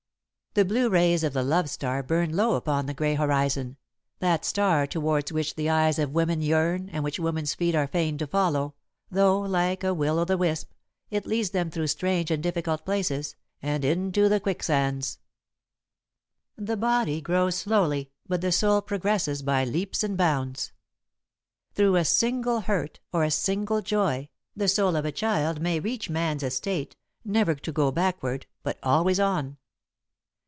The blue rays of the love star burned low upon the grey horizon, that star towards which the eyes of women yearn and which women's feet are fain to follow, though, like a will o' the wisp, it leads them through strange and difficult places, and into the quicksands. [Sidenote: Fellowship with the World] The body grows slowly, but the soul progresses by leaps and bounds. Through a single hurt or a single joy, the soul of a child may reach man's estate, never to go backward, but always on.